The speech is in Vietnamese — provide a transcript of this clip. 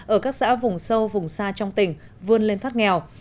ở các xã vùng sâu vùng xa trong tỉnh vươn lên thoát nghèo